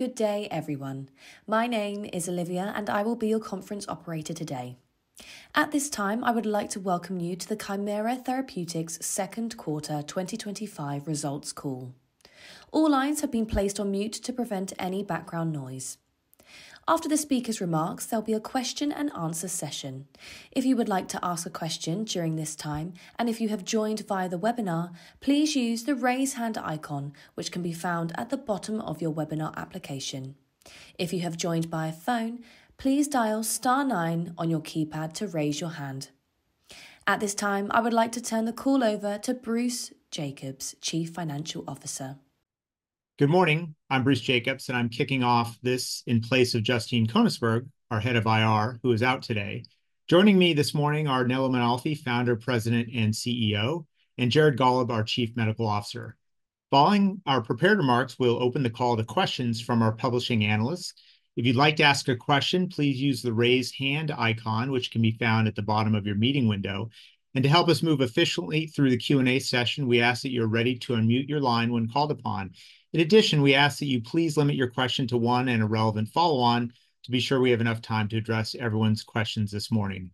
Good day everyone. My name is Olivia and I will be your conference operator today. At this time I would like to welcome you to the Kymera Therapeutics second quarter 2025 results call. All lines have been placed on mute to prevent any background noise. After the speaker's remarks, there'll be a question-and-answer session. If you would like to ask a question during this time and if you have joined via the webinar, please use the raise hand icon which can be found at the bottom of your webinar application. If you have joined by a phone, please dial star nine on your keypad to raise your hand. At this time I would like to turn the call over to Bruce Jacobs, Chief Financial Officer. Good morning, I'm Bruce Jacobs and I'm kicking off this in place of Justine Koenigsberg, our Head of Investor Relations who is out today. Joining me this morning are Nello Mainolfi, Founder, President and CEO, and Jared Gollob, our Chief Medical Officer. Following our prepared remarks, we'll open the call to questions from our publishing analysts. If you'd like to ask a question, please use the raised hand icon which can be found at the bottom of your meeting window. To help us move efficiently through the Q&A session, we ask that you're ready to unmute your line when called upon. In addition, we ask that you please limit your question to one and a relevant follow on to be sure we have enough time to address everyone's questions this morning.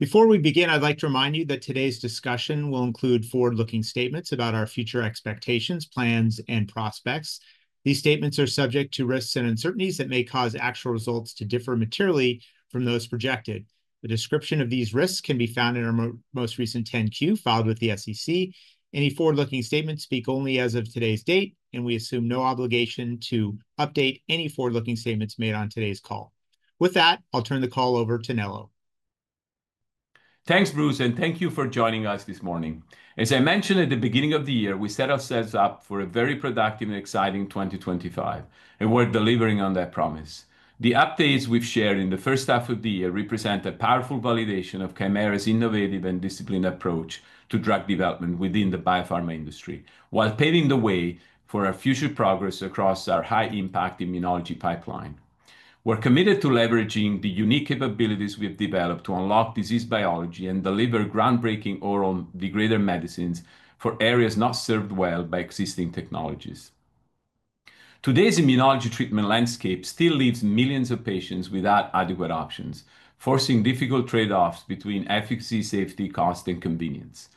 Before we begin, I'd like to remind you that today's discussion will include forward looking statements about our future expectations, plans and prospect. These statements are subject to risks and uncertainties that may cause actual results to differ materially from those projected. A description of these risks can be found in our most recent 10Q filed with the SEC. Any forward looking statements speak only as of today's date and we assume no obligation to update any forward looking statements made on today's call. With that, I'll turn the call over to Nello. Thanks Bruce and thank you for joining us this morning. As I mentioned, at the beginning of the year we set ourselves up for a very productive and exciting 2025 and we're delivering on that promise. The updates we've shared in the first half of the year represent a powerful validation of Kymera's innovative and disciplined approach to drug development within the biopharma industry. While paving the way for our future progress across our high impact immunology pipeline, we're committed to leveraging the unique capabilities we have developed to unlock disease biology and deliver groundbreaking oral degrader medicines for areas not served well by existing technologies. Today's immunology treatment landscape still leaves millions of patients without adequate options, forcing difficult trade offs between efficacy, safety, cost, and convenience.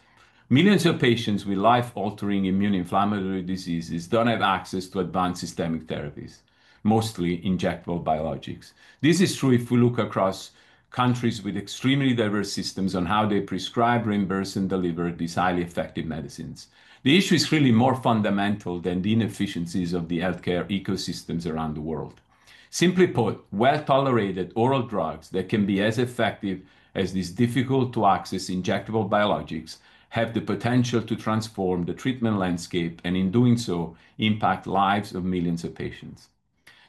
Millions of patients with life altering immunoinflammatory diseases don't have access to advanced systemic therapies, mostly injectable biologics. This is true if we look across countries with extremely diverse systems on how they prescribe, reimburse, and deliver these highly effective medicines. The issue is really more fundamental than the inefficiencies of the healthcare ecosystem around the world. Simply put, well tolerated oral drugs that can be as effective as these difficult to access injectable biologics have the potential to transform the treatment landscape and in doing so impact lives of millions of patients.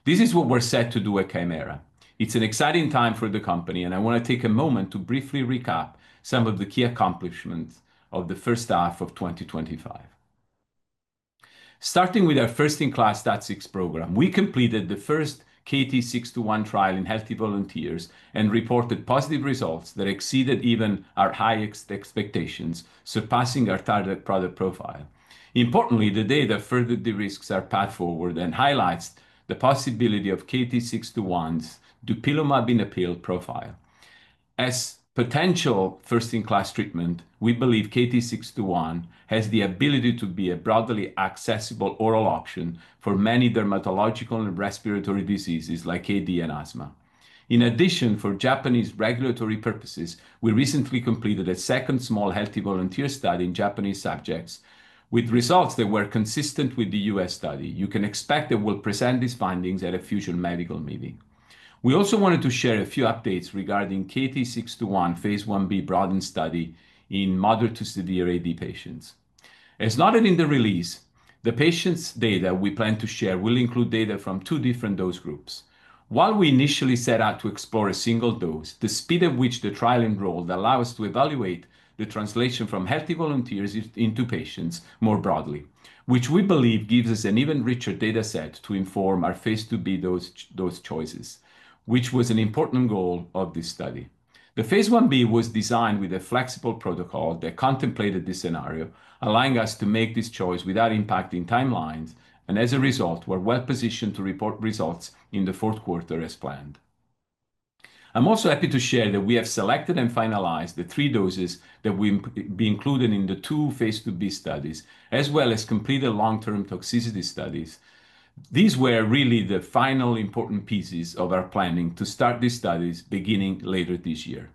This is what we're set to do at Kymera. It's an exciting time for the company and I want to take a moment to briefly recap some of the key accomplishments of the first half of 2025. Starting with our first-in-class STAT6 program, we completed the first KT-621 trial in healthy volunteers and reported positive results that exceeded even our high expectations, surpassing our target product profile. Importantly, the data furthered the risks are path forward and highlights the possibility of KT-621's Dupilumab in a pill profile as potential first-in-class treatment. We believe KT-621 has the ability to be a broadly accessible oral option for many dermatological and respiratory diseases like AD and asthma. In addition, for Japanese regulatory purposes, we recently completed a second small healthy volunteer study in Japanese subjects with results that were consistent with the U.S. study. You can expect that we'll present these findings at a future medical meeting. We also wanted to share a few updates regarding KT-621 phase I-B BroADen study in moderate to severe AD patients. As noted in the release, the patient data we plan to share will include data from two different dose groups. While we initially set out to explore a single dose, the speed at which the trial enrolled allowed us to evaluate the translation from healthy volunteers into patients more broadly, which we believe gives us an even richer data set to inform our phase II-B dose choices, which was an important goal of this study. The phase I-B was designed with a flexible protocol that contemplated this scenario, allowing us to make this choice without impacting timelines, and as a result we're well positioned to report results in the fourth quarter as planned. I'm also happy to share that we have selected and finalized the three doses that will be included in the two phase II-B studies as well as completed long-term toxicology studies. These were really the final important pieces of our planning to start these studies beginning later this year.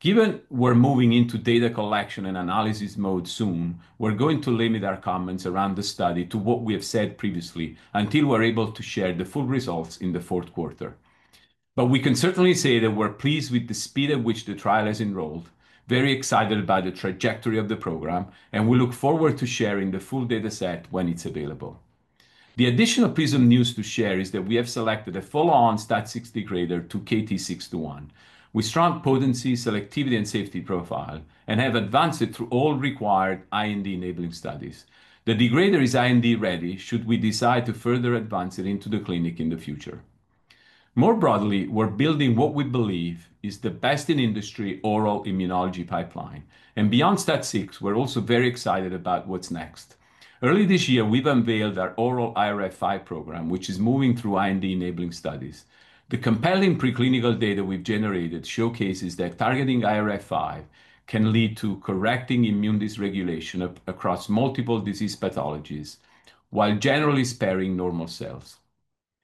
Given we're moving into data collection and analysis mode soon, we're going to limit our comments around the study to what we have said previously until we're able to share the full results in the fourth quarter. We can certainly say that we're pleased with the speed at which the trial has enrolled, very excited about the trajectory of the program, and we look forward to sharing the full data set when it's available. The additional PRISM news to share is that we have selected a follow-on STAT6 degrader to KT-621 with strong potency, selectivity, and safety profile and have advanced it through all required IND-enabling studies. The degrader is IND-ready should we decide to further advance it into the clinic in the future. More broadly, we're building what we believe is the best in industry oral immunology pipeline and beyond STAT6. We're also very excited about what's next. Early this year we've unveiled our oral IRF5 program which is moving through IND-enabling studies. The compelling preclinical data we've generated showcases that targeting IRF5 can lead to correcting immune dysregulation across multiple disease pathologies while generally sparing normal cells,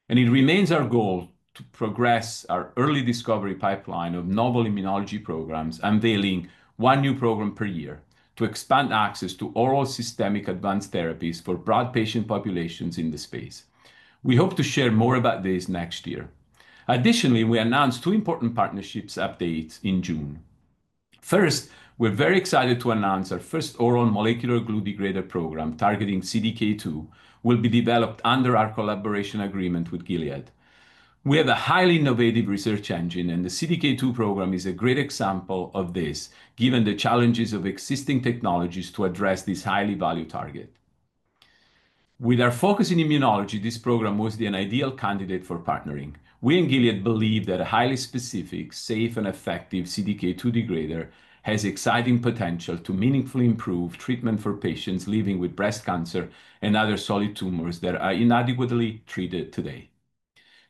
and it remains our goal to progress our early discovery pipeline of novel immunology programs, unveiling one new program per year to expand access to oral systemic advanced therapies for broad patient populations in the space. We hope to share more about this next year. Additionally, we announced two important partnership updates in June. First, we're very excited to announce our first oral molecular glue degrader program targeting CDK2 will be developed under our collaboration agreement with Gilead Sciences. We have a highly innovative research engine, and the CDK2 program is a great example of this given the challenges of existing technologies to address this highly valued target. With our focus in immunology, this program was the ideal candidate for partnering. We and Gilead Sciences believe that a highly specific, safe and effective CDK2 degrader has exciting potential to meaningfully improve treatment for patients living with breast cancer and other solid tumors that are inadequately treated today.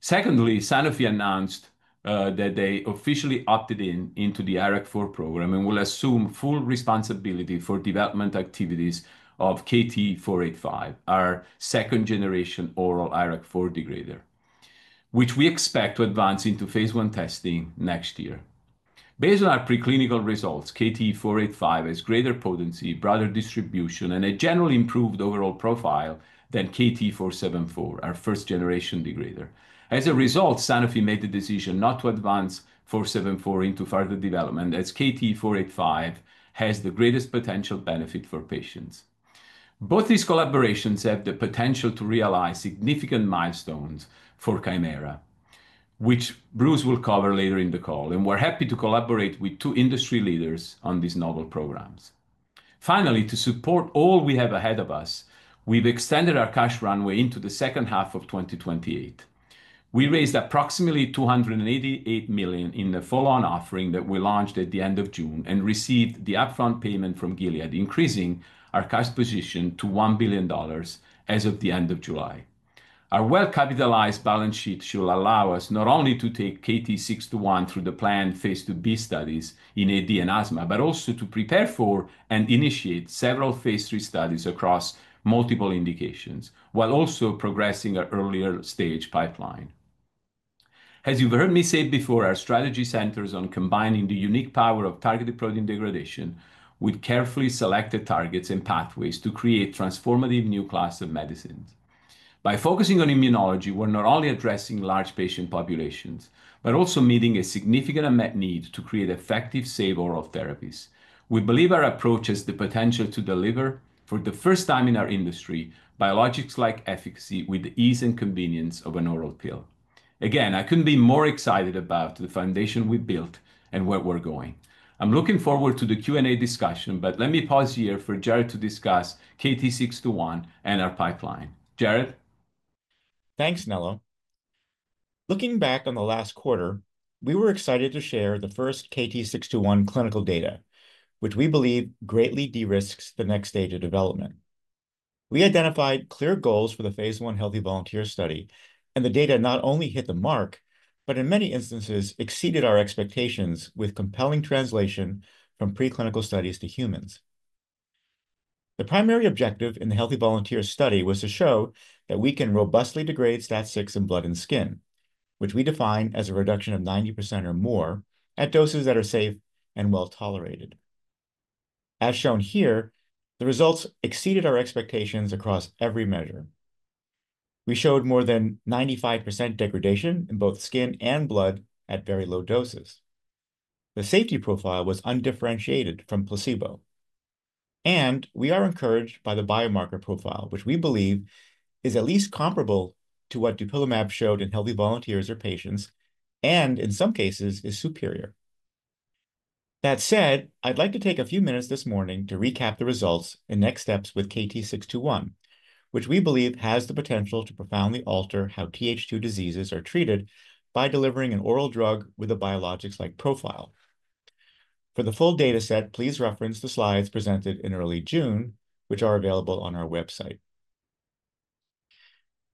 Secondly, Sanofi announced that they officially opted into the IRAK4 program and will assume full responsibility for development activities of KT-485, our second generation oral IRAK4 degrader, which we expect to advance into phase I testing next year. Based on our preclinical results, KT-485 has greater potency, broader distribution and a generally improved overall profile than KT-474, our first generation degrader. As a result, Sanofi made the decision not to advance KT-474 into further development as KT-485 has the greatest potential benefit for patients. Both these collaborations have the potential to realize significant milestones for Kymera Therapeutics, which Bruce will cover later in the call, and we're happy to collaborate with two industry leaders on these novel programs. Finally, to support all we have ahead of us, we've extended our cash runway into the second half of 2028. We raised approximately $288 million in the follow-on offering that we launched at the end of June and received the upfront payment from Gilead Sciences, increasing our cash position to $1 billion as of the end of July 2025. Our well-capitalized balance sheet should allow us not only to take KT-621 through the planned phase II-B studies in atopic dermatitis and asthma, but also to prepare for and initiate several phase III studies across multiple indications while also progressing an earlier stage pipeline. As you've heard me say before, our strategy centers on combining the unique power of targeted protein degradation with carefully selected targets and pathways to create transformative new classes of medicine. By focusing on immunology, we're not only addressing large patient populations, but also meeting a significant unmet need to create effective, safe oral therapies. We believe our approach has the potential to deliver, for the first time in our industry, biologics-like efficacy with the ease and convenience of an oral pill. Again, I couldn't be more excited about the foundation we built and where we're going. I'm looking forward to the Q&A discussion, but let me pause here for Jared to discuss KT-621 and our pipeline. Jared? Thanks, Nello. Looking back on the last quarter, we were excited to share the first KT-621 clinical data, which we believe greatly de-risks the next stage of development. We identified clear goals for the phase I Healthy Volunteer study and the data not only hit the mark, but in many instances exceeded our expectations with compelling translation from preclinical studies to humans. The primary objective in the Healthy Volunteer study was to show that we can robustly degrade STAT6 in blood and skin, which we define as a reduction of 90% or more at doses that are safe and well tolerated. As shown here, the results exceeded our expectations. Across every measure, we showed more than 95% degradation in both skin and blood at very low doses. The safety profile was undifferentiated from placebo and we are encouraged by the biomarker profile, which we believe is at least comparable to what Dupilumab showed in healthy volunteers or patients and in some cases is superior. That said, I'd like to take a few minutes this morning to recap the results and next steps with KT-621, which we believe has the potential to profoundly alter how Th2 diseases are treated by delivering an oral drug with a biologics-like profile. For the full data set, please reference the slides presented in early June, which are available on our website.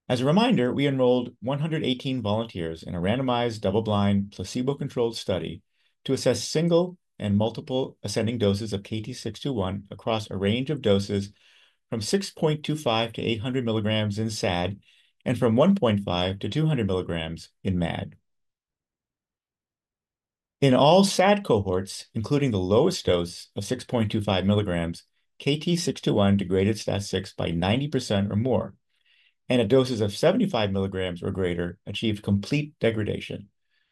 As a reminder, we enrolled 118 volunteers in a randomized, double-blind, placebo-controlled study to assess single and multiple ascending doses of KT-621 across a range of doses from 6.25 mg-800 mg in SAD and from 1.5 mg-200 mg in MAD. In all SAD cohorts, including the lowest dose of 6.25 mg, KT-621 degraded STAT6 by 90% or more and at doses of 75 mg or greater achieved complete degradation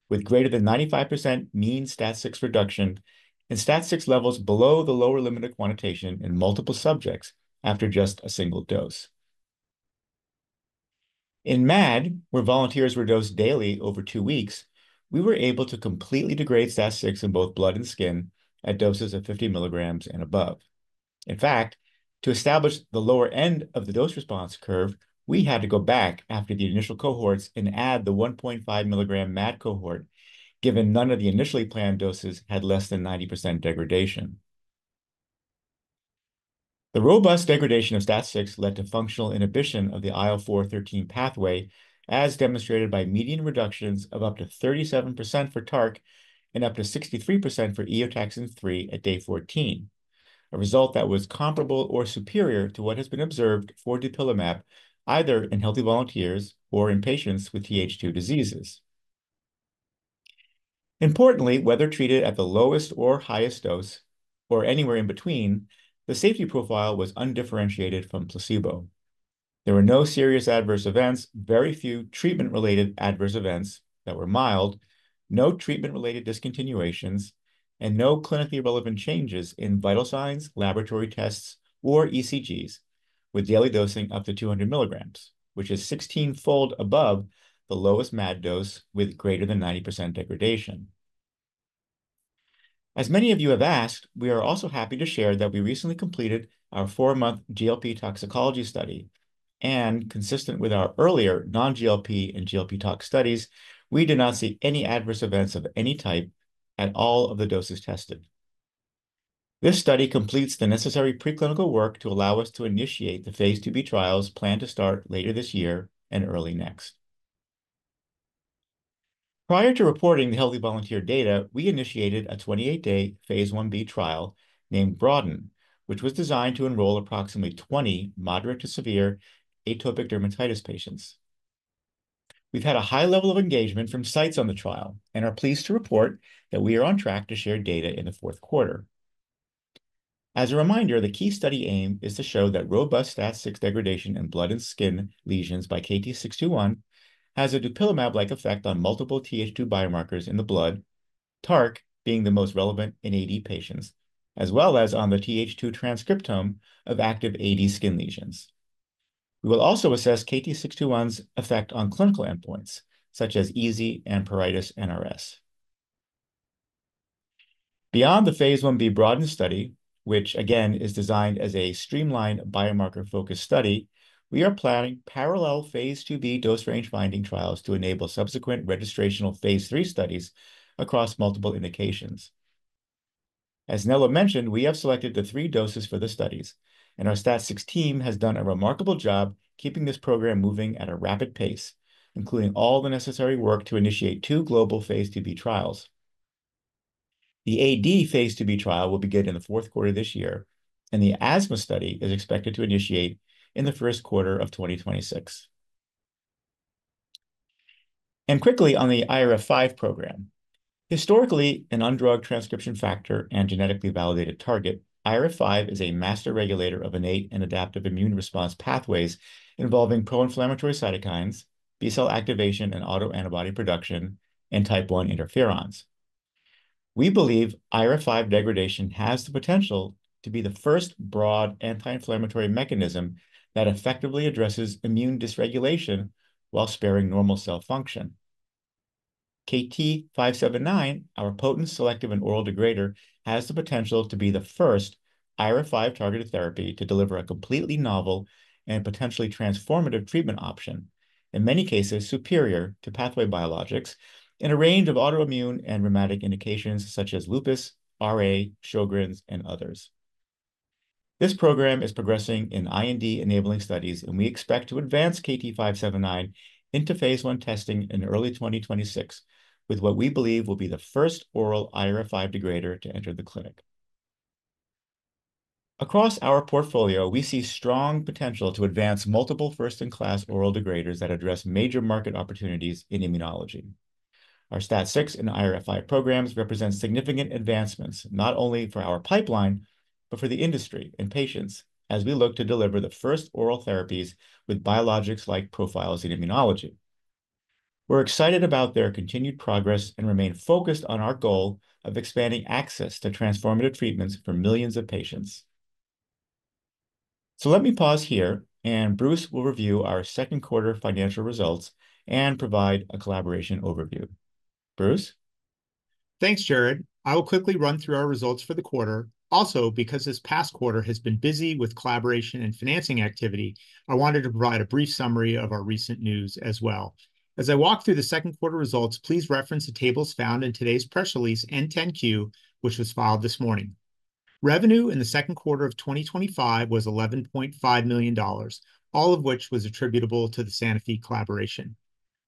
with greater than 95% mean STAT6 reduction and STAT6 levels below the lower limit of quantitation in multiple subjects after just a single dose. In MAD, where volunteers were dosed daily over two weeks, we were able to completely degrade STAT6 in both blood and skin at doses of 50 mg and above. In fact, to establish the lower end of the dose response curve, we had to go back after the initial cohorts and add the 1.5 mg MAD cohort given none of the initially planned doses had less than 90% degradation. The robust degradation of STAT6 led to functional inhibition of the IL-4/IL-13 pathway as demonstrated by median reductions of up to 37% for TARC and up to 63% for Eotaxin-3 at day 14, a result that was comparable or superior to what has been observed for Dupilumab either in healthy volunteers or in patients with Th2 diseases. Importantly, whether treated at the lowest or highest dose or anywhere in between, the safety profile was undifferentiated from placebo. There were no serious adverse events, very few treatment-related adverse events that were mild, no treatment-related discontinuations, and no clinically relevant changes in vital signs, laboratory tests, or ECGs. With daily dosing up to 200 mg, which is 16-fold above the lowest MAD dose with greater than 90% degradation. As many of you have asked, we are also happy to share that we recently completed our 4-month GLP toxicology study and, consistent with our earlier non-GLP and GLP tox studies, we did not see any adverse events of any type at all of the doses tested. This study completes the necessary preclinical work to allow us to initiate the phase II-B trials planned to start later this year and early next. Prior to reporting the healthy volunteer data, we initiated a 28-day phase I-B trial named BroADen which was designed to enroll approximately 20 moderate to severe atopic dermatitis patients. We've had a high level of engagement from sites on the trial and are pleased to report that we are on track to share data in the fourth quarter. As a reminder, the key study aim is to show that robust STAT6 degradation in blood and skin and lesions by KT-621 has a Dupilumab-like effect on multiple Th2 biomarkers in the blood, TARC being the most relevant in AD patients, as well as on the Th2 transcriptome of active AD skin lesions. We will also assess KT-621's effect on clinical endpoints such as EASI and pruritus NRS. Beyond the phase I-B BroADen study, which again is designed as a streamlined biomarker-focused study, we are planning parallel phase II-B dose range finding trials to enable subsequent registrational phase III studies across multiple indications. As Nello mentioned, we have selected the three doses for the studies and our STAT6 team has done a remarkable job keeping this program moving at a rapid pace, including all the necessary work to initiate two global phase II-B trials. The AD phase II-B trial will be good in the fourth quarter this year, and the asthma study is expected to initiate in the first quarter of 2026. Quickly on the IRF5 program, historically an undrugged transcription factor and genetically validated target, IRF5 is a master regulator of innate and adaptive immune response pathways involving pro-inflammatory cytokines, B cell activation and autoantibody production, and type 1 interferons. We believe IRF5 degradation has the potential to be the first broad anti-inflammatory mechanism that effectively addresses immune dysregulation while sparing normal cell function. KT-579, our potent, selective, and oral degrader, has the potential to be the first IRF5 targeted therapy to deliver a completely novel and potentially transformative treatment option, in many cases superior to pathway biologics, in a range of autoimmune and rheumatic indications such as lupus, RA, Sjögren's, and others. This program is progressing in IND-enabling studies, and we expect to advance KT-579 into phase I testing in early 2026 with what we believe will be the first oral IRF5 degrader to enter the clinic. Across our portfolio, we see strong potential to advance multiple first-in-class oral degraders that address major market opportunities in immunology. Our STAT6 and IRF5 programs represent significant advancements not only for our pipeline, but for the industry and patients. As we look to deliver the first oral therapies with biologics-like profiles in immunology, we're excited about their continued progress and remain focused on our goal of expanding access to transformative treatments for millions of patients. Let me pause here, and Bruce will review our second quarter financial results and provide a collaboration overview. Bruce? Thanks, Jared. I will quickly run through our results for the quarter. Also, because this past quarter has been busy with collaboration and financing activity, I wanted to provide a brief summary of our recent news as well. As I walk through the second quarter results, please reference the tables found in today's press release and 10-Q, which was filed this morning. Revenue in the second quarter of 2025 was $11.5 million, all of which was attributable to the Sanofi Collaboration.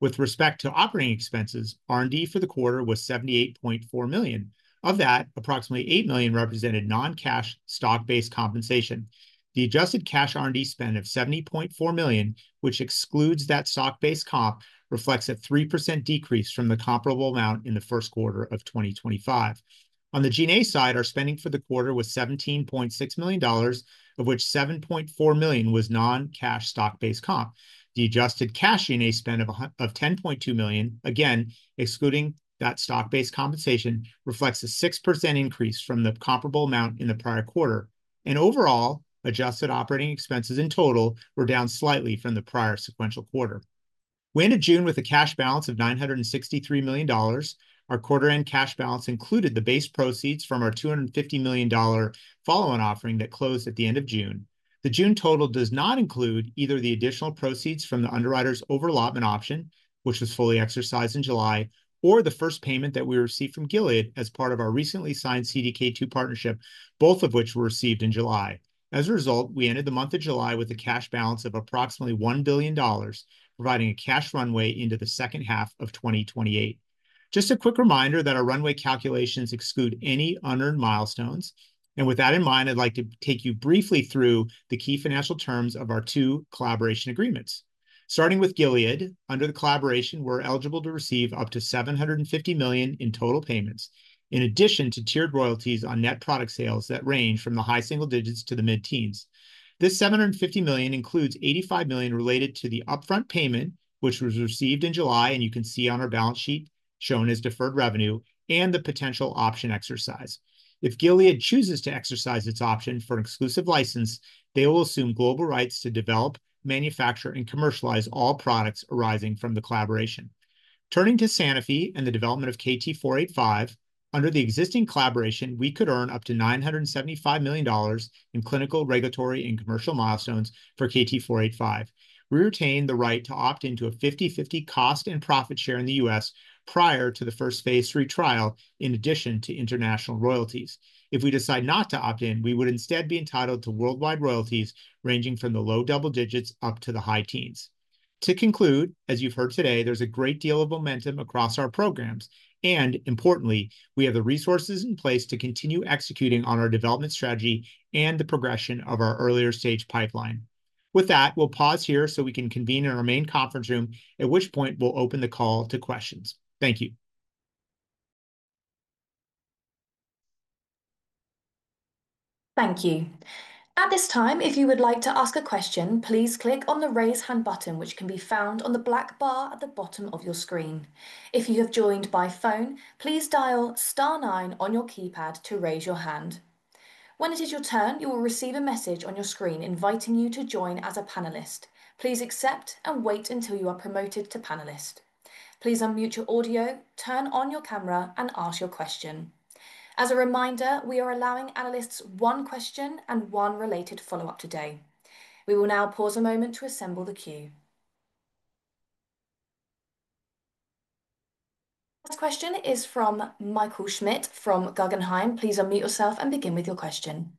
With respect to operating expenses, R&D for the quarter was $78.4 million. Of that, approximately $8 million represented non-cash stock-based compensation. The adjusted cash R&D spend of $70.4 million, which excludes that stock-based comp, reflects a 3% decrease from the comparable amount in the first quarter of 2025. On the G&A side, our spending for the quarter was $17.6 million, of which $7.4 million was non-cash stock-based comp. The adjusted cash G&A spend of $10.2 million, again excluding that stock-based compensation, reflects a 6% increase from the comparable amount in the prior quarter, and overall adjusted operating expenses in total were down slightly from the prior sequential quarter. We ended June with a cash balance of $963 million. Our quarter-end cash balance included the base proceeds from our $250 million follow-on offering that closed at the end of June. The June total does not include either the additional proceeds from the underwriters' over-allotment option, which was fully exercised in July, or the first payment that we received from Gilead Sciences as part of our recently signed CDK2 partnership, both of which were received in July. As a result, we ended the month of July with a cash balance of approximately $1 billion, providing a cash runway into the second half of 2028. Just a quick reminder that our runway calculations exclude any unearned milestones. With that in mind, I'd like to take you briefly through the key financial terms of our two collaboration agreements, starting with Gilead Sciences. Under the collaboration, we're eligible to receive up to $750 million in total payments in addition to tiered royalties on net product sales that range from the high single digits to the mid-teens. This $750 million includes $85 million related to the upfront payment, which was received in July, and you can see on our balance sheet shown as deferred revenue and the potential option exercise. If Gilead chooses to exercise its option for an exclusive license, they will assume global rights to develop, manufacture, and commercialize all products arising from the collaboration. Turning to Sanofi and the development of KT-485 under the existing collaboration, we could earn up to $975 million in clinical, regulatory, and commercial milestones for KT-485. We retain the right to opt into a 50:50 cost and profit share in the U.S. prior to the first phase III trial. In addition to international royalties, if we decide not to opt in, we would instead be entitled to worldwide royalties ranging from the low double digits up to the high teens. To conclude, as you've heard today, there's a great deal of momentum across our programs and, importantly, we have the resources in place to continue executing on our development strategy and the progression of our earlier stage pipeline. With that, we'll pause here so we can convene in our main conference room, at which point we'll open the call to questions. Thank you. Thank you. At this time, if you would like to ask a question, please click on the Raise hand button which can be found on the black bar at the bottom of your screen. If you have joined by phone, please dial star nine on your keypad to raise your hand. When it is your turn, you will receive a message on your screen inviting you to join as a panelist. Please accept and wait until you are promoted to panelist. Please unmute your audio, turn on your camera, and ask your question. As a reminder, we are allowing analysts one question and one related follow up today. We will now pause a moment to assemble the queue. This question is from Michael Schmidt from Guggenheim. Please unmute yourself and begin with your question.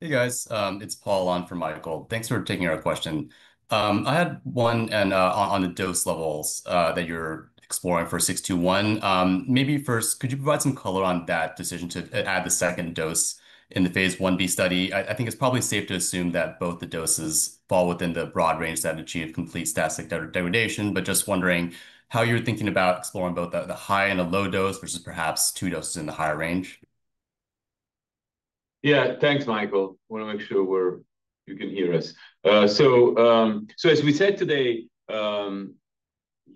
Hey guys, it's Paul on from Michael. Thanks for taking our question. I had one on the dose levels that you're exploring for KT-621, maybe first, could you provide some color on that decision to add the second dose in the phase I-B study? I think it's probably safe to assume that both the doses fall within the broad range that achieve complete STAT6 degradation. Just wondering how you're thinking about exploring both the high and the low dose versus perhaps two doses in the higher range? Yeah, thanks, Michael. Want to make sure you can hear us? As we said today,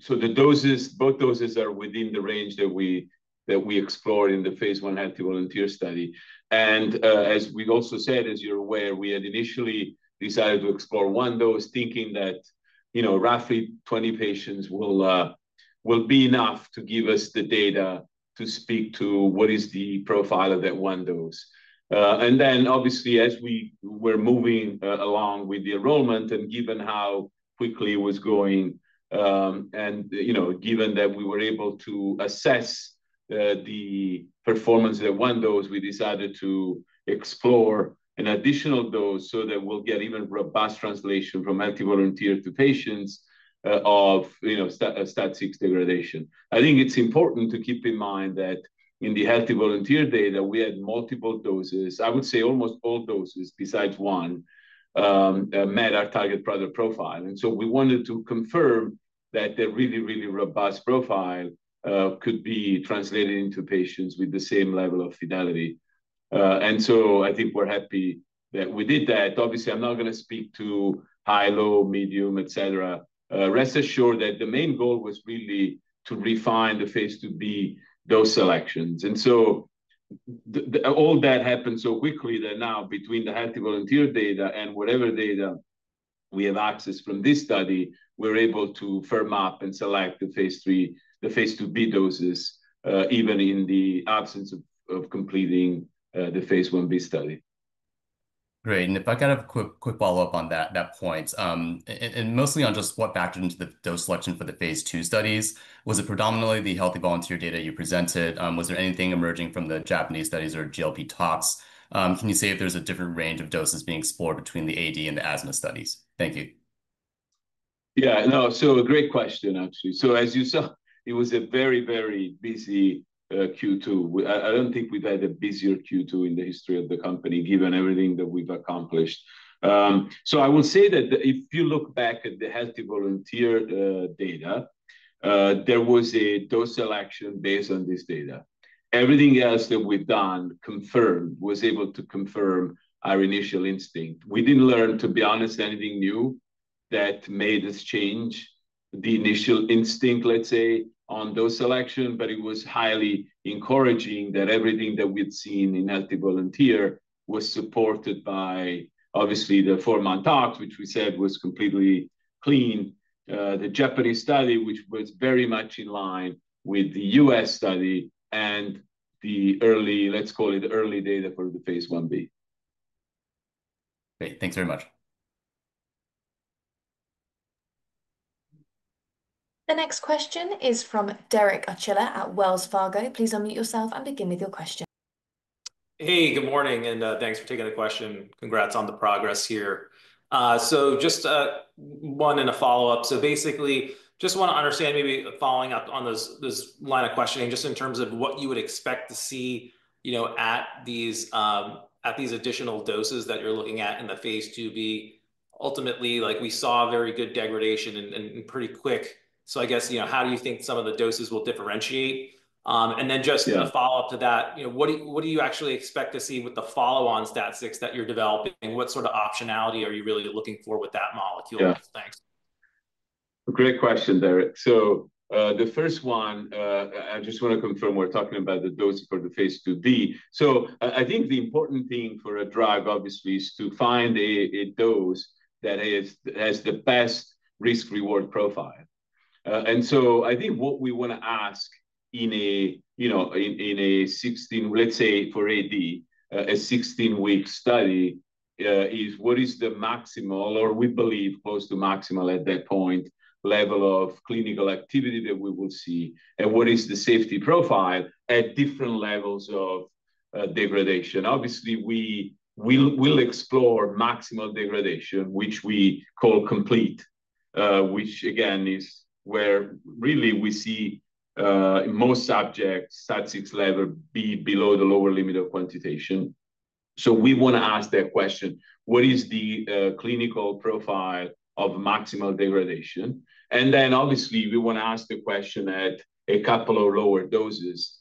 the doses, both doses are within the range that we explored in the phase I healthy volunteer study. As we've also said, as you're aware, we had initially decided to explore one dose, thinking that roughly 20 patients will be enough to give us the data to speak to what is the profile of that one dose. Obviously, as we were moving along with the enrollment and given how quickly it was going and given that we were able to assess the performance of that one dose, we decided to explore an additional dose so that we'll get even robust translation from multi volunteer to patients of STAT6 degradation. I think it's important to keep in mind that in the healthy volunteer data we had multiple doses. I would say almost all doses besides one met our target product profile. We wanted to confirm that the really, really robust profile could be translated into patients with the same level of fidelity. I think we're happy that we did that. Obviously, I'm not going to speak to high, low, medium, etc. Rest assured that the main goal was really to refine the phase II-B dose selections. All that happened so quickly that now between the healthy volunteer data and whatever data we have access from this study, we're able to firm up and select the phase II-B doses, even in the absence of completing the phase I-B study. Great. If I got a quick follow-up on that point and mostly on just what factored into the dose selection for the phase II studies, was it predominantly the healthy volunteer data you presented? Was there anything emerging from the Japanese studies or GLP tox? Can you say if there's a different range of doses being explored between the AD and the asthma studies? Thank you. Yeah, no, great question actually. As you saw, it was a very, very busy Q2. I don't think we've had a busier Q2 in the history of the company, given everything that we've accomplished. I will say that if you look back at the Healthy Volunteer data, there was a dose selection based on this data. Everything else that we've done confirmed was able to confirm our initial instinct. We didn't learn, to be honest, anything new that made us change the initial instinct, let's say on dose selection. It was highly encouraging that everything that we'd seen in Healthy Volunteer was supported by obviously the four month out, which we said was completely clean. The Japanese study was very much in line with the U.S. study and the early, let's call it early data for the phase I-B. Great, thanks very much. The next question is from Derek Archila at Wells Fargo. Please unmute yourself and begin with your question. Good morning and thanks for taking the question. Congrats on the progress here. Just one and a follow up. I just want to understand, maybe following up on this line of questioning just in terms of what you would expect to see at these additional doses that you're looking at in the phase II-B. Ultimately, like we saw, very good degradation and pretty quick. I guess, you know, how do you think some of the doses will differentiate? Just a follow up to that, you know, what do you actually expect to see with the follow-on STAT6 that you're developing? What sort of optionality are you really looking for with that molecule? Thanks. Great question, Derek. The first one, I just want to confirm we're talking about the dose for the phase II-B. I think the important thing for a drug, obviously, is to find a dose that has the best risk-reward profile. I think what we want to ask in a, you know, in a 16, let's say for atopic dermatitis, a 16-week study, is what is the maximal, or we believe close to maximal at that point, level of clinical activity that we would see and what is the safety profile at different levels of degradation. Obviously, we will explore maximum degradation, which we call complete, which again is where really we see most subjects' STAT6 level be below the lower limit of quantitation. We want to ask that question: what is the clinical profile of maximal degradation? We also want to ask the question at a couple of lower doses,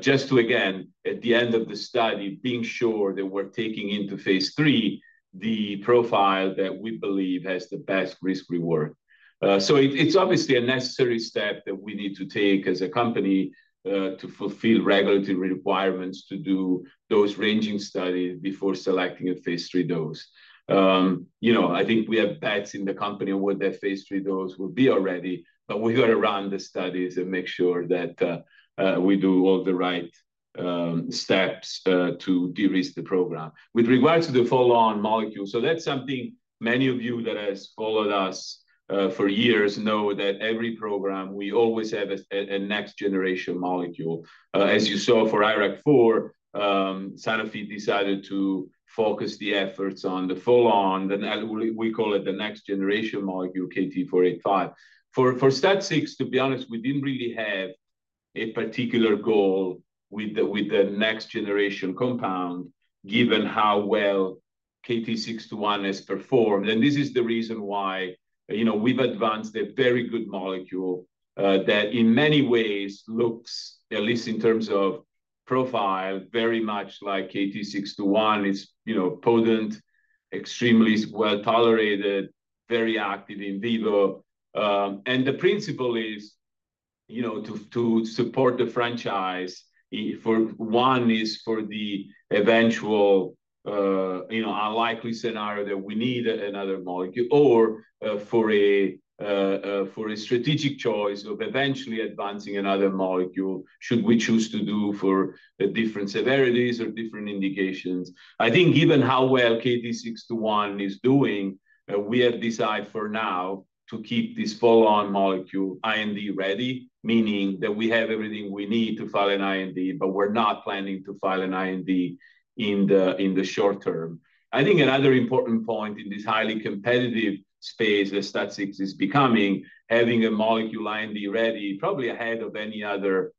just to, again, at the end of the study, be sure that we're taking into phase III the profile that we believe has the best risk-reward. It's obviously a necessary step that we need to take as a company to fulfill regulatory requirements to do those ranging studies before selecting a phase III dose. I think we have bets in the company on what that phase III dose will be already, but we have to run the studies and make sure that we do all the right steps to de-risk the program with regards to the follow-on molecules. That's something many of you that have followed us for years know, that every program we always have a next-generation molecule. As you saw for the IRAK4 program, Sanofi decided to focus the efforts on the follow-on. We call it the next-generation molecule KT-485 for STAT6. To be honest, we didn't really have a particular goal with the next-generation compound given how well KT-621 has performed. This is the reason why we've advanced a very good molecule that in many ways looks, at least in terms of profile, very much like KT-621. It's potent, extremely well tolerated, very active in vivo. The principle is, you know, to support the franchise. For one, it's for the eventual, you know, unlikely scenario that we need another molecule or for a. For a strategic choice of eventually advancing another molecule should we choose to do for the different severities or different indications. I think given how well KT-621 is doing, we have decided for now to keep this follow-on molecule IND ready, meaning that we have everything we need to file an IND but we're not planning to file an IND in the short term. I think another important point in this highly competitive space that STAT6 is becoming, having a molecule IND ready probably ahead of any other,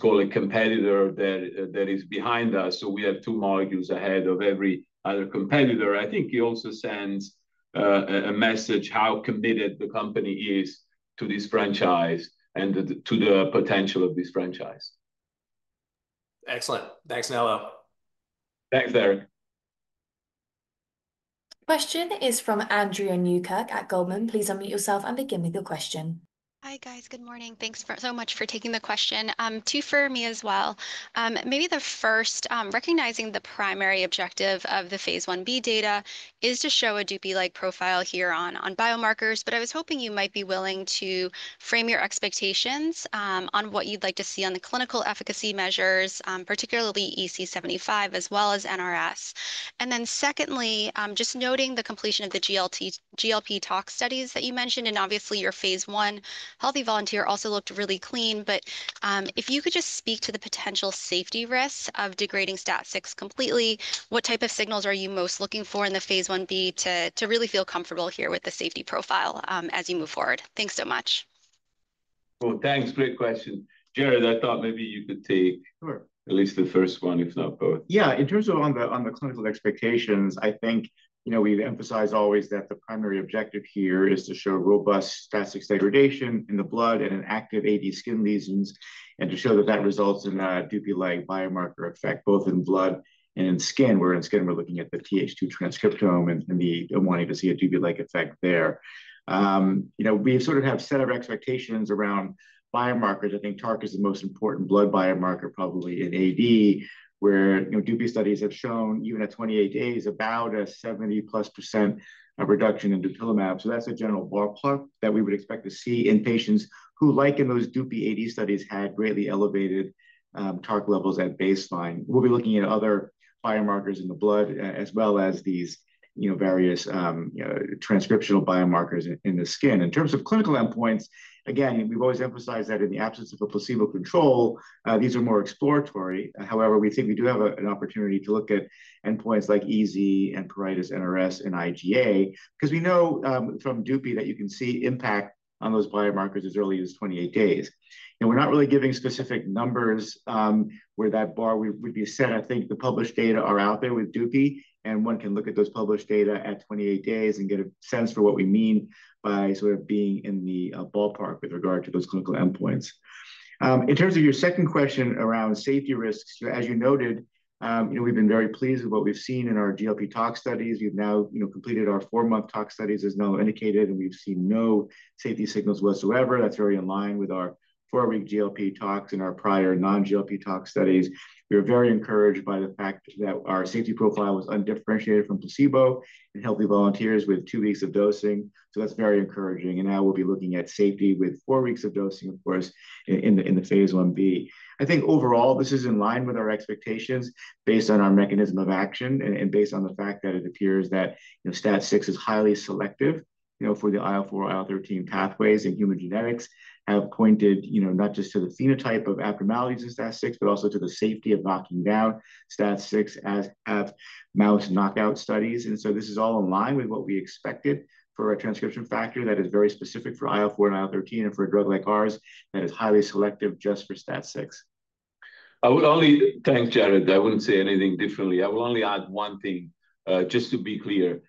call a competitor that is behind us. We have two margins ahead of every other competitor. I think it also sends a message how committed the company is to this franchise and to the potential of this franchise. Excellent. Thanks, Nello. Thanks, Derek. Question is from Andrea Newkirk at Goldman. Please unmute yourself and begin with your question. Hi guys, good morning. Thanks so much for taking the question. Two for me as well. Maybe the first, recognizing the primary objective of the phase I-B data is to show a Dupixent-like profile here on biomarkers. I was hoping you might be willing to frame your expectations on what you'd like to see on the clinical efficacy measures, particularly EASI-75 as well as NRS. Secondly, just noting the completion of the GLP tox studies that you mentioned. Obviously your phase I healthy volunteer also looked really clean. If you could just speak to the potential safety risks of degrading STAT6 completely. What type of signals are you most looking for in the phase I-B to really feel comfortable here with the safety profile as you move forward? Thanks so much. Great question. Jared, I thought maybe you could take at least the first one, if not both. Yeah. In terms of on the clinical expectations, I think, you know, we've emphasized always that the primary objective here is to show robust STAT6 degradation in the blood and in active AD skin lesions, and to show that that results in Dupixent-like biomarker effect both in blood and skin, where in skin we're looking at the Th2 transcriptome and wanting to see a Dupixent-like effect there. You know, we sort of have set of expectations around biomarkers. I think TARC is the most important blood biomarker probably in AD where Dupilumab studies have shown even at 28 days, about a 70%+ reduction in Dupilumab. That's a general ballpark. We would expect to see in patients who, like in those Dupixent AD studies, had greatly elevated TARC levels at baseline. We'll be looking at other biomarkers in the blood as well as these various transcriptional biomarkers in the skin. In terms of clinical endpoints, again, we've always emphasized that in the absence of a placebo control, these are more exploratory. However, we think we do have an opportunity to look at endpoints like EASI and pruritus, NRS and IGA, because we know from Dupixent that you can see impact on those biomarkers as early as 28 days and we're not really giving specific numbers where that bar would be set. I think the published data are out there with Dupixent and one can look at those published data at 28 days and get a sense for what we mean by sort of being in the ballpark with regard to those clinical endpoints. In terms of your second question around safety risks, as you noted, we've been very pleased with what we've seen in our GLP tox studies. We've now completed our four-month tox studies as Nello indicated and we've seen no safety signals whatsoever. That's very in line with our four-week GLP tox. In our prior non-GLP tox studies. We were very encouraged by the fact that our safety profile was undifferentiated from placebo in healthy volunteers with two weeks of dosing. That is very encouraging. We will be looking at safety with four weeks of dosing, of course, in the phase I-B. I think overall this is in line with our expectations based on our mechanism of action and based on the fact that it appears that STAT6 is highly selective for the IL-4/IL-13 pathways. Human genetics have pointed not just to the phenotype of abnormalities of STAT6 but also to the safety of knocking down STAT6 as have mouse knockout studies. This is all in line with what we expected for our transcription factor that is very specific for IL-4 and IL-13 and for a drug like ours, and it's highly selective just for STAT6. Thanks, Jared. I wouldn't say anything differently. I will only add one thing just to be clear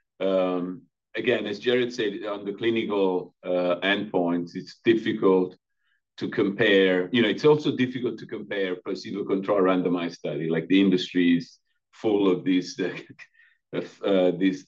again, as Jared said, on the clinical endpoint, it's difficult to compare. You know, it's also difficult to compare placebo-controlled randomized study. The industry follows these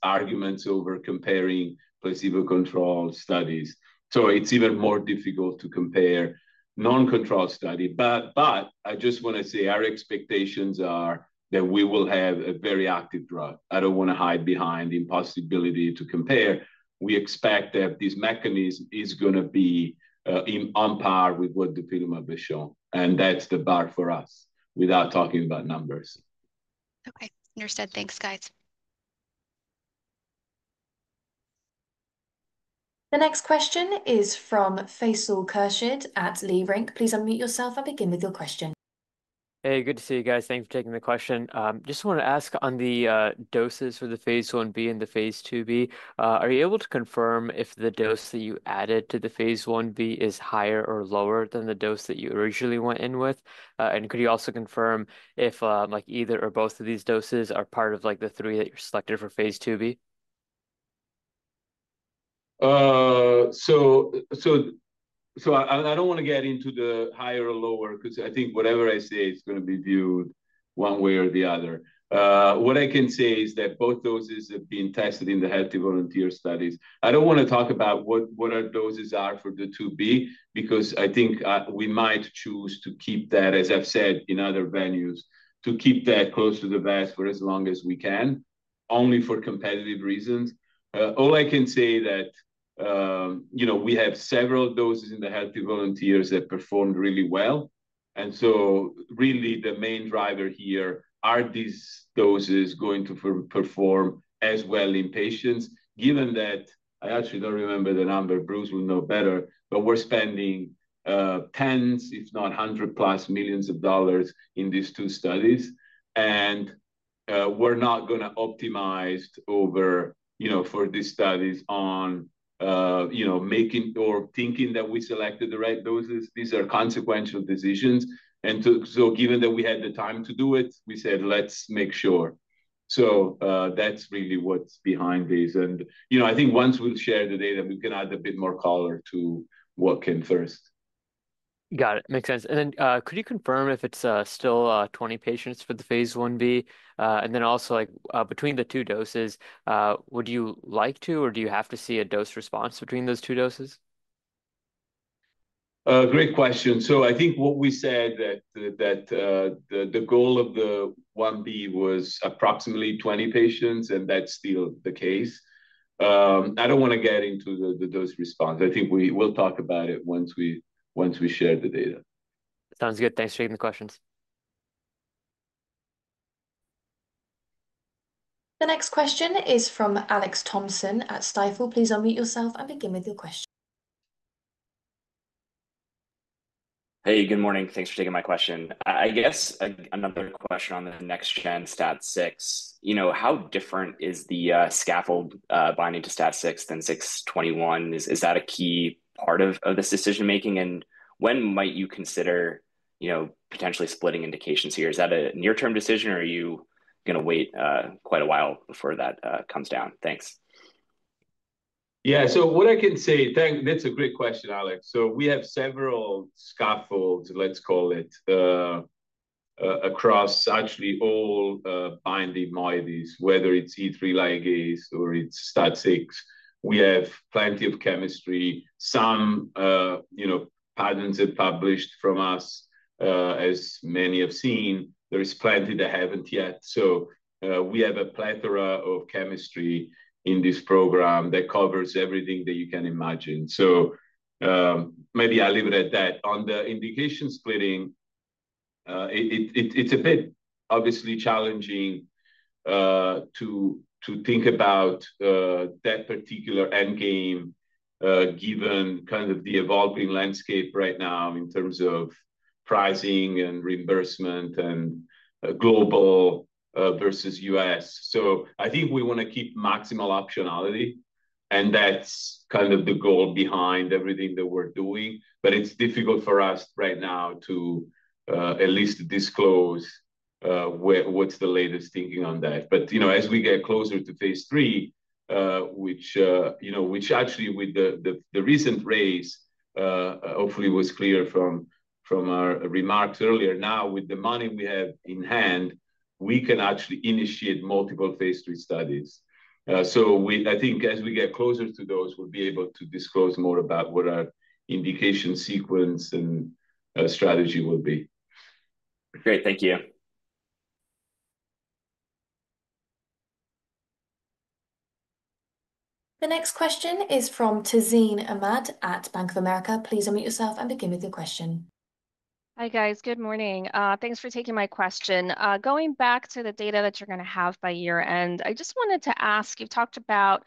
arguments over comparing placebo-controlled studies. It's even more difficult to compare non-control studies. I just want to say our expectations are that we will have a very active drug. I don't want to hide behind the impossibility to compare. We expect that this mechanism is going to be on par with what the field has shown. That's the bar for us without talking about numbers. Okay, understood. Thanks guys. The next question is from Faisal Khurshid at Leerink. Please unmute yourself and begin with your question. Hey, good to see you guys. Thanks for taking the question. Just want to ask, on the doses for the phase I-B and the phase II-B, are you able to confirm if the dose that you added to the phase I-B is higher or lower than the dose that you originally went in with? Could you also confirm if either or both of these doses are part of the three that you're selected for phase II-B? I don't want to get into the higher or lower because I think whatever I say it's going to be viewed one way or the other. What I can say is that both doses have been tested in the healthy volunteer studies. I don't want to talk about what our doses are for the II-B because I think we might choose to keep that, as I've said in other venues, to keep that close to the vest for as long as we can, only for competitive reasons. All I can say is that we have several doses in the healthy volunteers that performed really well. The main driver here is are these doses going to perform as well in patients given that I actually don't remember the number, Bruce will know better. We're spending tens if not $100+ million in these two studies and we're not going to optimize for these studies on making or thinking that we selected the right doses. These are consequential decisions. Given that we had the time to do it, we said let's make sure. That's really what's behind these. I think once we'll share the data we can add a bit more color to what came first. Got it. Makes sense. Could you confirm if it's still 20 patients for the phase I-B? Also, like between the two, would you like to or do you have to see a dose response between those two doses? Great question. I think what we said that the goal of the I-B was approximately 20 patients and that's still the case. I don't want to get into the dose response. I think we will talk about it once we share the data. Sounds good. Thanks for the questions. The next question is from Alex Thompson at Stifel. Please unmute yourself and begin with your question. Hey, good morning. Thanks for taking my question. I guess another question on the next gen STAT6, you know, how different is the scaffold binding to STAT6 than KT-621? Is that a key part of this decision making and when might you consider potentially splitting indications here? Is that a near term decision or are you going to wait quite a while before that comes down? Thanks. Yeah, so what I can say, thanks. That's a great question, Alex. We have several scaffold, let's call it across actually all binding moieties, whether it's E3 ligase or it's STAT6. We have plenty of chemistry, some patterns that published from us. As many have seen, there is plenty that haven't yet. We have a plethora of chemistry in this program that covers everything that you can imagine. Maybe I'll leave it at that. On the indication splitting, it's a bit obviously challenging to think about that particular end game given kind of the evolving landscape right now in terms of pricing and reimbursement and global versus U.S. I think we want to keep maximal optionality and that's kind of the goal behind everything that we're doing. It's difficult for us right now to at least disclose what's the latest thinking on that. As we get closer to phase III, which actually with the recent raise hopefully was clear from our remarks earlier, now with the money we have in hand, we can actually initiate multiple phase III studies. I think as we get closer to those, we'll be able to disclose more about what our indication sequence and strategy will be. Great, thank you. The next question is from Tazeen Ahmad at Bank of America. Please unmute yourself and begin with your question. Hi guys, good morning. Thanks for taking my question. Going back to the data that you're going to have by year end, I just wanted to ask you've talked about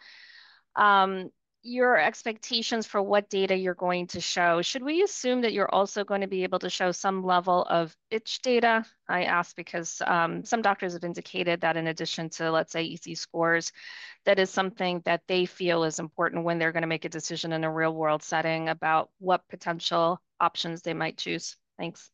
your expectations for what data you're going to show. Should we assume that you're also going to be able to show some level of itch data? I ask because some doctors have indicated that in addition to, let's say, EC scores, that is something that they feel is important when they're going to make a decision in a real world setting about what potential options they might choose. Thanks.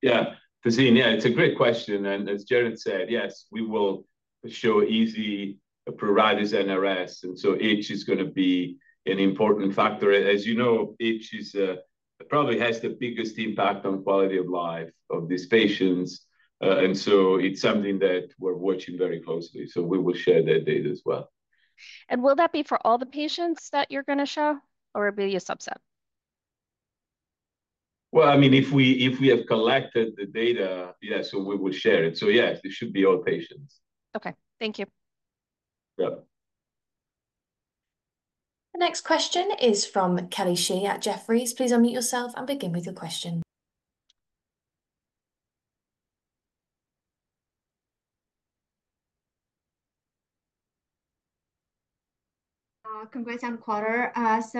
Yeah, Tazeen. It's a great question. As Jared said, yes, we will show EASI, pruritus, and NRS. Itch is going to be an important factor. As you know, itch probably has the biggest impact on quality of life of these patients, and it's something that we're watching very closely. We will share that data as well. Will that be for all the patients that you're going to show or be a subset? If we have collected the data, yes, we would share it. Yes, it should be all patients. Okay, thank you. The next question is from Kelly Shi at Jefferies. Please unmute yourself and begin with your question. Congratulations for the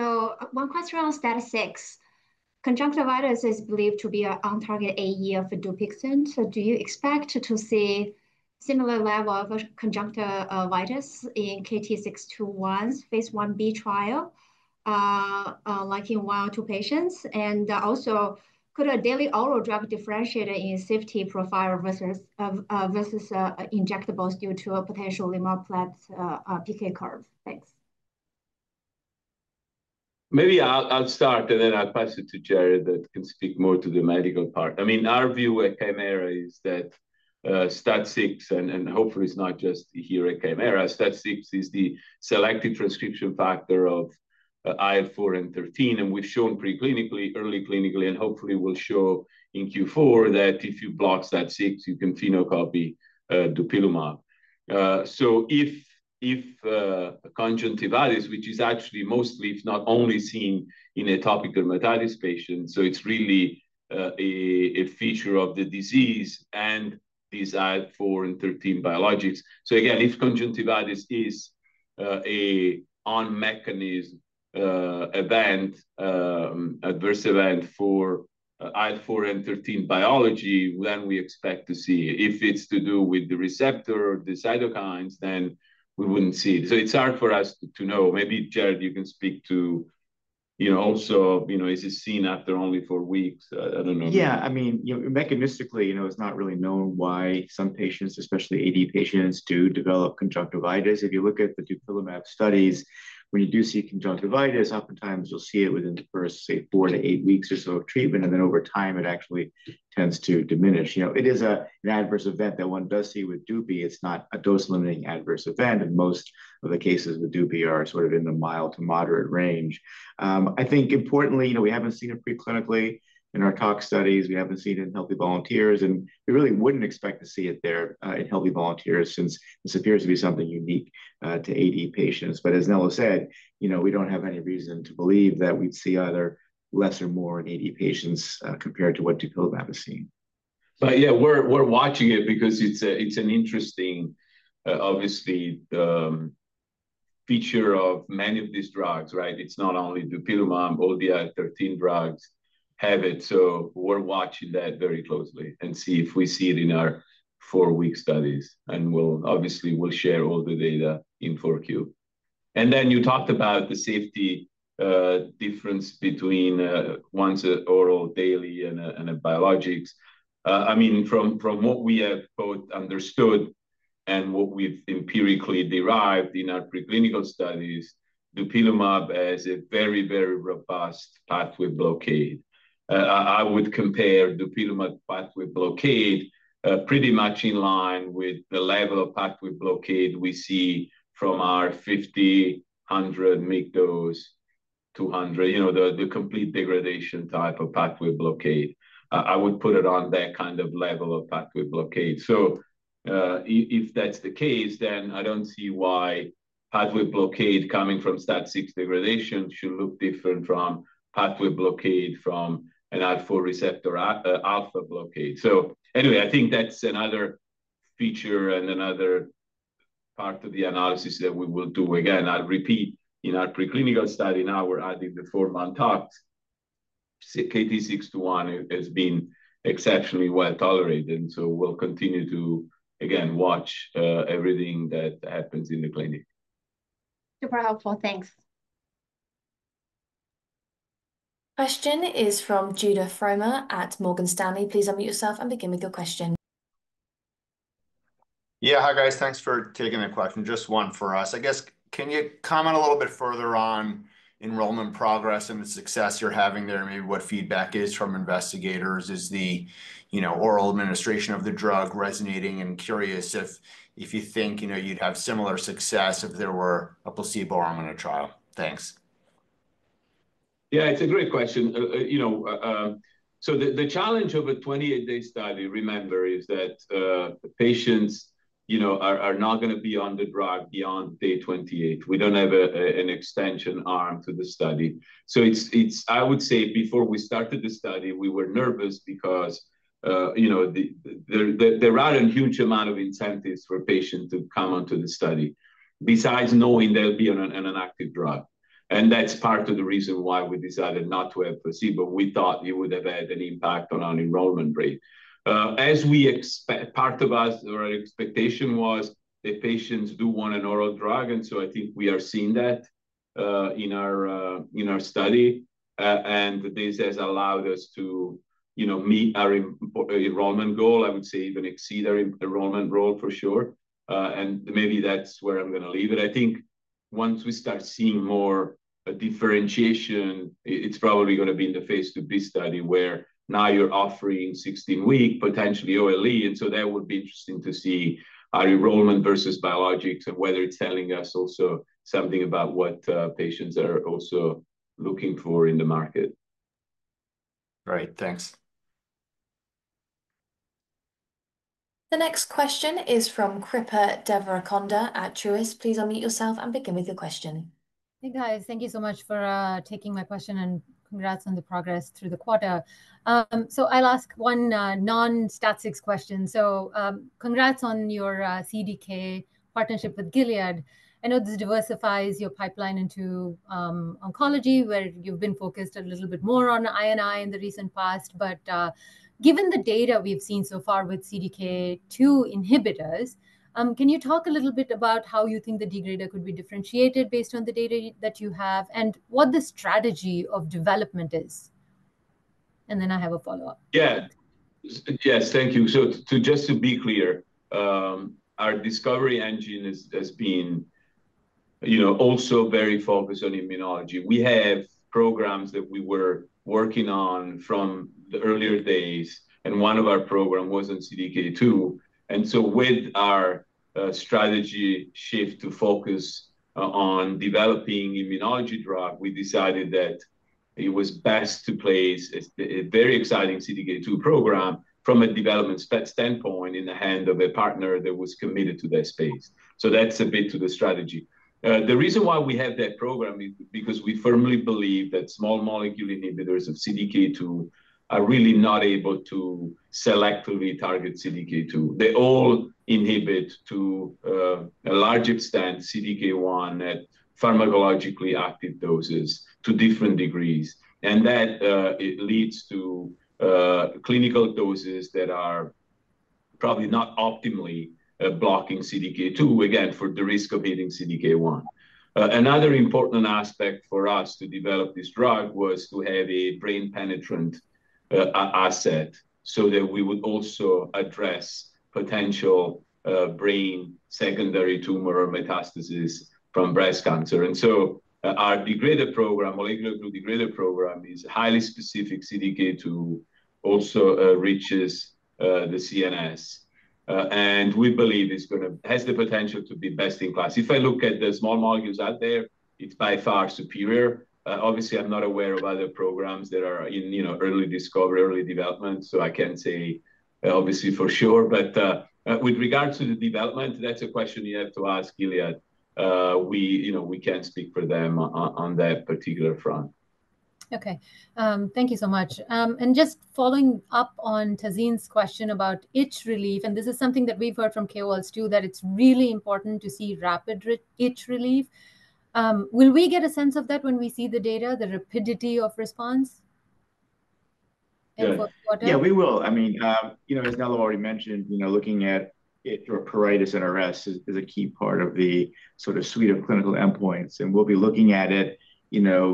quarter. One question on STAT6, conjunctivitis is believed to be an on-target AE of DUPIXENT. Do you expect to see similar level of conjunctivitis in KT-621 phase I-B trial like in one or two patients? Also, could a daily oral drug differentiate in safety profile vs. injectables due to a potential linear PK curve? Thanks. Maybe I'll start and then I'll pass it to Jared. That can speak more to the medical part. I mean our view at Kymera is that STAT6, and hopefully it's not just here at Kymera, STAT6 is the selective transcription factor of IL-4 and IL-13. We've shown preclinically, early clinically, and hopefully will show in Q4 that if you block STAT6 you can phenocopy Dupilumab. Conjunctivitis, which is actually mostly, it's not only seen in atopic dermatitis patients, it's really a feature of the disease and desired IL-4 and IL-13 biologics. If conjunctivitis is an on-mechanism adverse event for IL-4 and IL-13 biology, when we expect to see if it's to do with the receptor or the cytokines, then we wouldn't see. It's hard for us to know. Maybe Jared, you can speak to, you know, also, you know, is it seen after only four weeks? I don't know. Yeah. I mean, you know, mechanistically, you know, it's not really known why some patients, especially AD patients, do develop conjunctivitis. If you look at the Dupilumab studies, when you do see conjunctivitis, oftentimes you'll see it within the first, say, 4-8 weeks or so of treatment, and then over time it actually tends to diminish. You know, it is an adverse event that one does see with Dupilumab. It's not a dose limiting adverse event. Most of the cases with dupi are sort of in the mild to moderate range. I think importantly, you know, we haven't seen it preclinically in our toxicology studies. We haven't seen it in healthy volunteers, and we really wouldn't expect to see it there in healthy volunteers since this appears to be something unique to atopic dermatitis patients. As Nello said, you know, we don't have any reason to believe that we'd see either less or more in atopic dermatitis patients compared to what Dupilumab has seen. We're watching it because it's an interesting, obviously the feature of many of these drugs, right, it's not only Dupilumab. Other drugs have it. We're watching that very closely and see if we see it in our four week studies and we'll obviously share all the data in Q4. You talked about the safety difference between one's oral daily and a biologics. From what we have both understood and what we've empirically derived in our preclinical studies, Dupilumab has a very, very robust pathway blockade. I would compare Dupilumab pathway blockade pretty much in line with the level of pathway blockade we see from our 50, 100 mg dose, 200, you know, the complete degradation type of pathway blockade. I would put it on that kind of level of pathway blockade. If that's the case, then I don't see why pathway blockade coming from STAT6 degradation should look different from pathway blockade from an IL-4 receptor alpha blockade. I think that's another feature and another part of the analysis that we will do. Again, I repeat in our preclinical study. Now we're adding the form on top of KT-621 has been exceptionally well tolerated and we'll continue to again watch everything that happens in the clinic. Super helpful, thanks. Question is from Judah Frommer at Morgan Stanley. Please unmute yourself and begin with your question. Yeah, hi guys. Thanks for taking a question. Just one for us, I guess. Can you comment a little bit further on enrollment progress and the success you're having there? Maybe what feedback is from investigators is the, you know, oral administration of the drug resonating, and curious if you think, you know, you'd have similar success if there were a placebo arm in a trial, thanks. Yeah, it's a great question. You know, the challenge of a 28-day study, remember, is that the patients are not going to be on the drug beyond day 28. We don't have an extension arm to the study. I would say before we started the study we were nervous because there are a huge amount of incentives for patients to come onto the study besides knowing they'll be on an active drug. That's part of the reason why we decided not to have placebo. We thought it would have had an impact on unenrollment rate as we expect. Part of our expectation was that patients do want an oral drug. I think we are seeing that in our study and this has allowed us to meet our enrollment goal, I would say even exceed our enrollment goal for sure. Maybe that's where I'm going to leave it. I think once we start seeing more A differentiation, it's probably going to be the phase II-B study where now you're offering 16 week potentially ole. That would be interesting to see enrollment versus biologics and whether it's telling us also something about what patients are also looking for in the market. Right, thanks. The next question is from Kripa Devarakonda at Truist. Please unmute yourself and begin with your question. Hey guys, thank you so much for taking my question and congrats on the progress through the quarter. I'll ask one non-STAT6 question. Congrats on your CDK partnership with Gilead. I know this diversifies your pipeline into oncology where you've been focused a little bit more on I&I in the recent past. Given the data we've seen so far with CDK2 inhibitors, can you talk a little bit about how you think the degrader could be differentiated based on the data that you have and what the strategy of development is. I have a follow up. Yes, thank you. Just to be clear, our discovery engine has been also very focused on immunology. We have programs that we were working on from the earlier days and one of our programs was on CDK2. With our strategy shift to focus on developing immunology drug, we decided that it was best to place a very exciting CDK2 program from a development standpoint in the hand of a partner that was committed to that space. That's a bit to the strategy. The reason why we have that program is because we firmly believe that small molecule inhibitors of CDK2 are really not able to selectively target CDK2. They all inhibit to a large extent CDK1 at pharmacologically active doses to different degrees. That leads to clinical doses that are probably not optimally blocking CDK2 again for the risk of hitting CDK1. Another important aspect for us to develop this drug was to have a brain penetrant asset so that we would also address potential brain secondary tumor or metastasis from breast cancer. Our degrader program, molecular degrader program, is highly specific CDK2, also reaches the CNS and we believe it's going to has the potential to be best in class. If I look at the small molecules out there, it's by far superior. Obviously I'm not aware of other programs that are in early discovery, early development. I can say obviously for sure. With regards to the development, that's a question you have to ask Gilead. We can't speak for them on that particular front. Thank you so much. Just following up on Tazeen's question about itch relief, this is something that we've heard from KOLs too, that it's really important to see rapid itch relief. Will we get a sense of that when we see the data, the rapidity of response? Yeah, we will. I mean, as Nello already mentioned, looking at your pruritus NRS is a key part of the suite of clinical endpoints, and we will be looking at it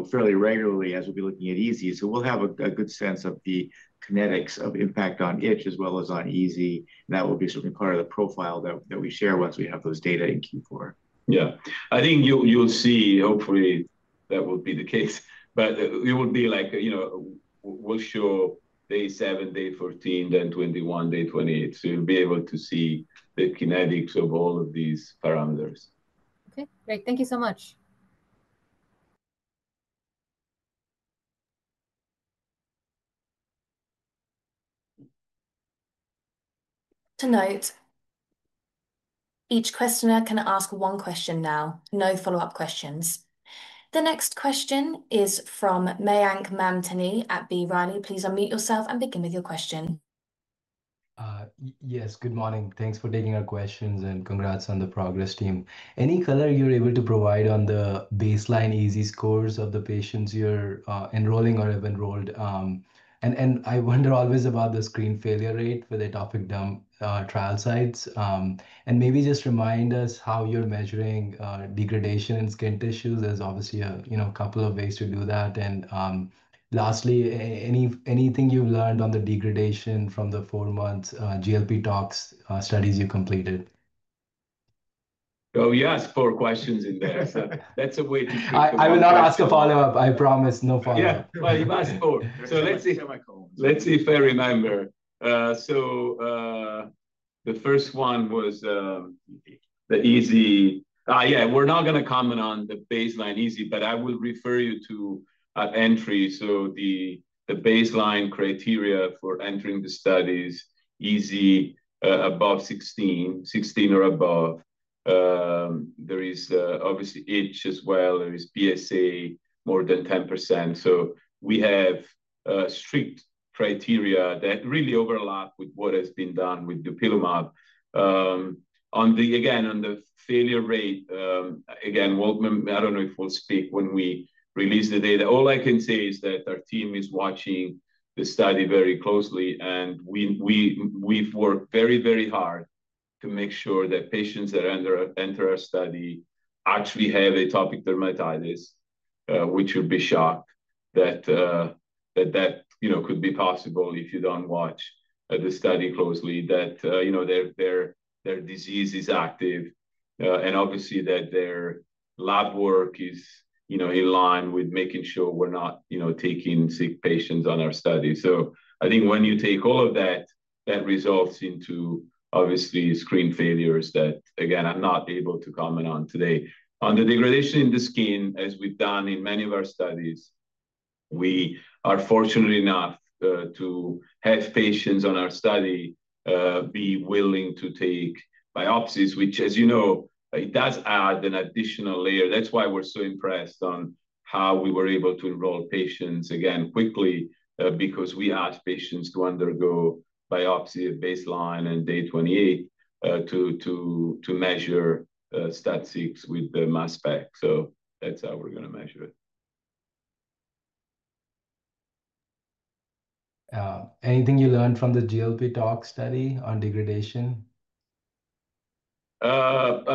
fairly regularly as we will be looking at EASI. We will have a good sense of the kinetics of impact on itch as well as on EASI. That will be certainly part of the profile that we share once we have those data in Q4. I think you'll see, hopefully that would be the case, but it would be like, you know, we'll show day seven, day 14, then 21, day 28. You'll be able to see the kinetics of all of these parameters. Okay, great. Thank you so much. To note, each questioner can ask one question now. No follow up questions. The next question is from Mayank Mamtani at B. Riley. Please unmute yourself and begin with your question. Yes, good morning, thanks for taking our questions and congrats on the progress team. Any color you're able to provide on the baseline EASI scores of the patients you're enrolling or have enrolled. I wonder always about the screen failure rate with atopic dermatitis trial sites and maybe just remind us how you're measuring degradation in skin tissue. There's obviously a couple of ways to do that. Lastly, anything you've learned on the degradation from the four month GLP tox studies you completed? Oh yes, four questions in there. I will not ask a follow up, I promise. No follow up. Yeah, let's see if I remember. The first one was the EASI. We're not going to comment on the baseline EASI, but I will refer you to entry. The baseline criteria for entering the study is EASI above 16, 16 or above. There is obviously itch as well. There is BSA more than 10%. We have strict criteria that really overlap with what has been done with Dupilumab. On the failure rate, again, I don't know if we'll speak when we release the data. All I can say is that our team is watching the study very closely and we've worked very, very hard to make sure that patients that enter our study actually have atopic dermatitis, which would be shocking that that could be possible if you don't watch the study closely, that their disease is active and obviously that their lab work is in line with making sure we're not taking sick patients on our studies. I think when you take all of that, that results in screen failures that again, I'm not able to comment on today. On the degradation in the skin, as we've done in many of our studies, we are fortunate enough to have patients on our study be willing to take biopsies, which as you know, does add an additional layer. That's why we're so impressed on how we were able to enroll patients again quickly because we asked patients to undergo biopsy at baseline and day 28 to measure STAT6 with the mass spec. That's how we're going to measure it. Anything you learned from the GLP tox study on degradation? All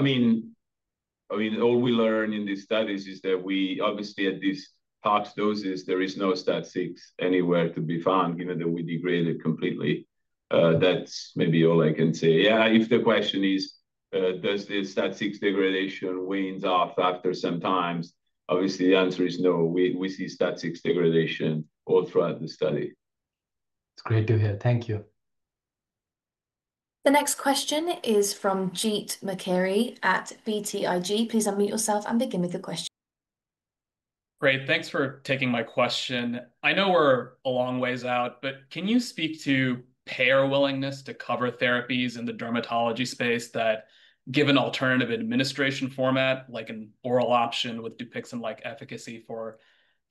we learn in these studies is that obviously at these top doses there is no STAT6 anywhere to be found given that we degrade it completely. That's maybe all I can say. If the question is does the STAT6 degradation wane off after some time, obviously the answer is no. We see STAT6 degradation all throughout the study. It's great to hear. Thank you. The next question is from Jeet Mukherjee at BTIG. Please unmute yourself and begin with your question. Great. Thanks for taking my question. I know we're a long ways out, but can you speak to payer willingness to cover therapies in the dermatology space that give an alternative administration format like an oral option with Dupixent-like efficacy for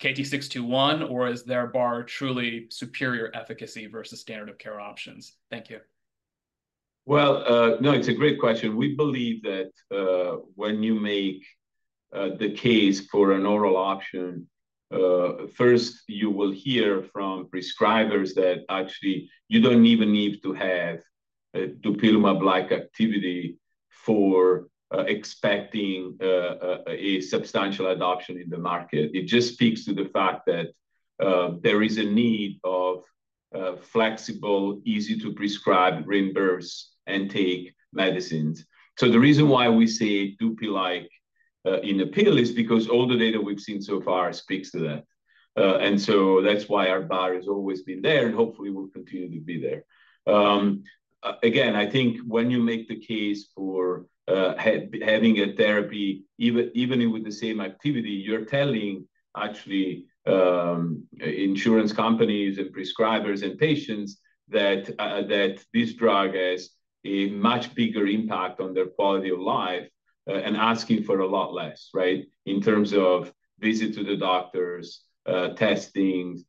KT-621 or is their bar truly superior efficacy versus standard of care options? Thank you. It's a great question. We believe that when you make the case for an oral option, first you will hear from prescribers that actually you don't even need to have Dupilumab-like activity for expecting a substantial adoption in the market. It just speaks to the fact that there is a need for flexible, easy to prescribe, reimburse, and take medicines. The reason why we say Dupixent in a pill is because all the data we've seen so far speaks to that, and that's why our bar has always been there and hopefully will continue to be there. Again, I think when you make the case for having a therapy even with the same activity, you're telling insurance companies and prescribers and patients that this drug has a much bigger impact on their quality of life and asking for a lot less, right, in terms of visits to the doctors, testing,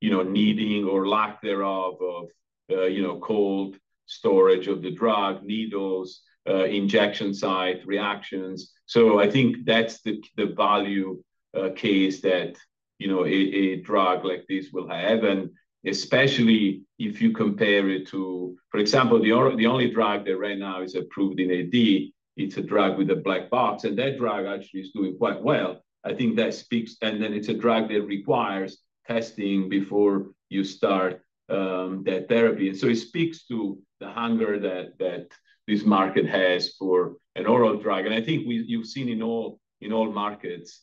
needing or lack thereof of cold storage of the drug, needles, injection site reactions. I think that's the value case that a drug like this will have, especially if you compare it to, for example, the only drug that right now is approved in AD. It's a drug with a black box, and that drug actually is doing quite well. I think that speaks, and it's a drug that requires testing before you start that therapy. It speaks to the hunger that this market has for an oral drug. I think you've seen in all markets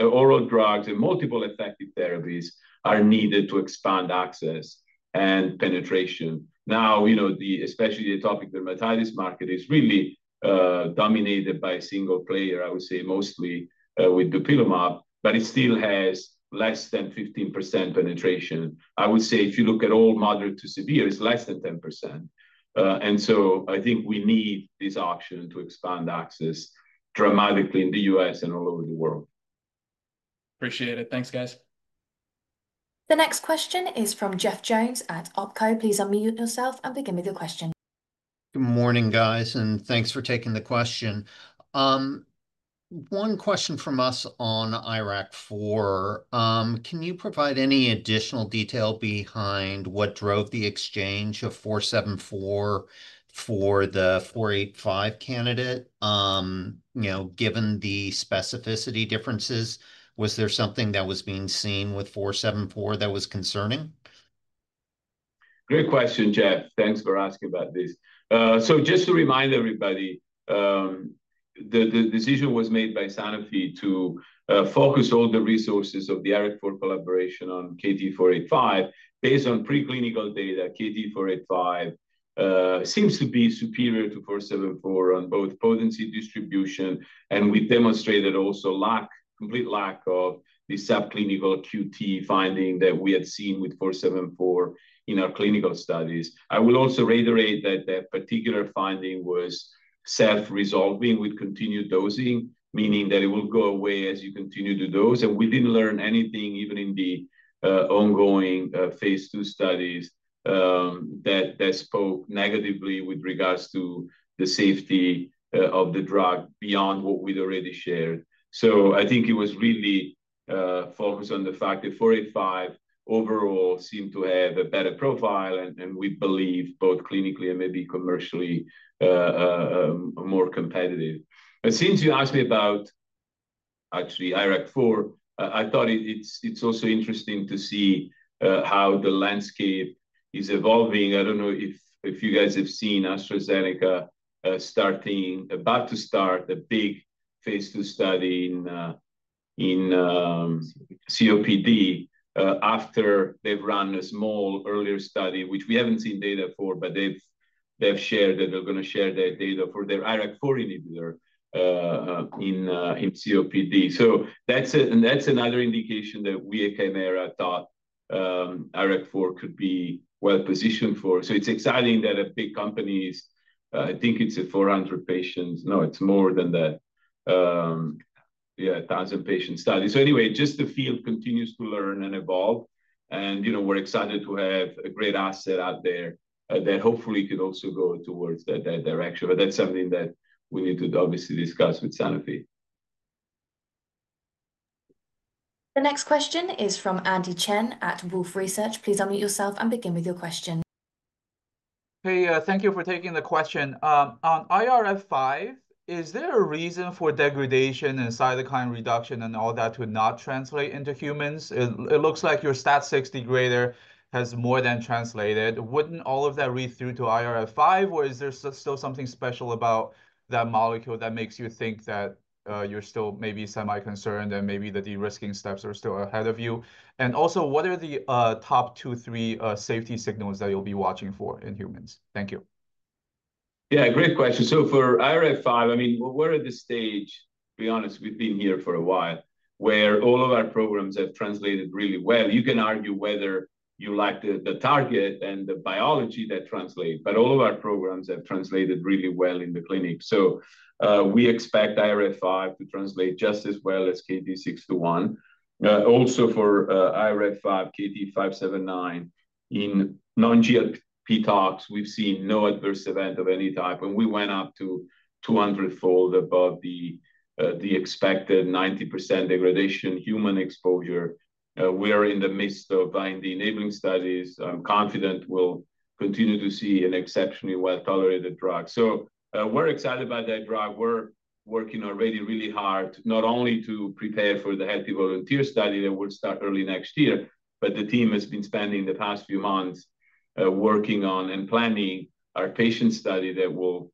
oral drugs and multiple effective therapies are needed to expand access and penetration. The atopic dermatitis market is really dominated by a single player, I would say mostly with Dupilumab, but it still has less than 15% penetration. I would say if you look at all moderate to severe, it's less than 10%. I think we need this option to expand access dramatically in the U.S. and all over the world. Appreciate it. Thanks guys. The next question is from Jeff Jones at OpCo. Please unmute yourself and begin with your question. Good morning guys and thanks for taking the question. One question from us on IRAK4. Can you provide any additional detail behind what drove the exchange of 474 for the 485 candidate? You know, given the specificity differences, was there something that was being seen with 474 that was concerning? Great question, Jeff. Thanks for asking about this. Just to remind everybody, the decision was made by Sanofi to focus all the resources of the IRAK4 collaboration on KT-485 based on preclinical data. KT-485 seems to be superior to 474 on both potency and distribution. We demonstrated also complete lack of the subclinical QT finding that we had seen with 474 in our clinical studies. I will also reiterate that that particular finding was self-resolving with continued dosing, meaning that it will go away as you continue to dose. We didn't learn anything even in the ongoing phase II studies that spoke negatively with regards to the safety of the drug beyond what we'd already shared. I think it was really focused on the fact that 485 overall seemed to have a better profile and we believe both clinically and maybe commercially more competitive. Since you asked me about actually IRAK4, I thought it's also interesting to see how the landscape is evolving. I don't know if you guys have seen AstraZeneca starting, about to start a big phase II study in COPD after they've run a small earlier study which we haven't seen data for, but they've shared that they're going to share that data for their IRAK4 inhibitor in COPD. That's another indication that we at Kymera thought IRAK4 could be well positioned for. It's exciting that at big companies, I think it's a 400 patient, no, it's more than that, yeah, a thousand patient studies. Anyway, the field continues to learn and evolve and we're excited to have a great asset out there that hopefully could also go towards that direction. That's something that we need to obviously discuss with Sanofi. The next question is from Andy Chen at Wolfe Research. Please unmute yourself and begin with your question. Hey, thank you for taking the question on IRF5. Is there a reason for degradation and cytokine reduction and all that to not translate into humans? It looks like your STAT6 degrader has more than translated. Wouldn't all of that read through to IRF5? Or is there still something special about that molecule that makes you think that you're still maybe semi concerned and maybe the de-risking steps are still ahead of you? Also, what are the top two, three safety signals that you'll be watching for in humans? Thank you. Yeah, great question. For IRF5, I mean we're at the stage, to be honest, we've been here for a while where all of our programs have translated really well. You can argue whether you like the target and the biology that translates, but all of our programs have translated really well in the clinic. We expect IRF5 to translate just as well as KT-621. Also, for IRF5 KT-579 in non-GLP tox we've seen no adverse event of any type and we went up to 200-fold above the expected 90% degradation human exposure. We are in the midst of the enabling studies. I'm confident we'll continue to see an exceptionally well tolerated drug. We're excited about that drug. We're working already really hard not only to prepare for the Healthy Volunteer study that would start early next year, but the team has been spending the past few months working on and planning our patient study that will